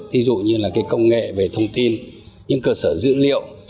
ví dụ như công nghệ về thông tin những cơ sở dữ liệu